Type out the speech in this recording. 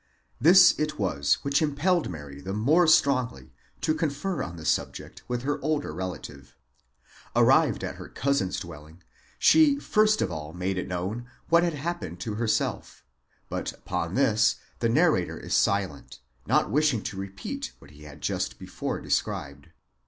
This it was which impelled Mary the more strongly to con fer on the subject with her older relative. Arrived at her cousin's dwelling, she first of all made known what had happened to herself; but upon this the narrator is silent, not wishing to repeat what he had just before described.